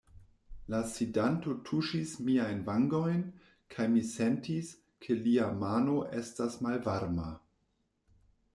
La sidanto tuŝis miajn vangojn, kaj mi sentis, ke lia mano estas malvarma.